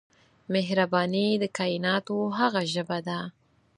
مهرباني د کائنات هغه ژبه ده.